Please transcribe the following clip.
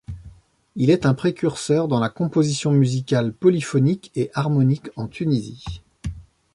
Il est un précurseur dans la composition musicale polyphonique et harmonique en Tunisie.